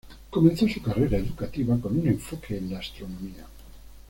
Comenzó su carrera educativa con un enfoque en la astronomía.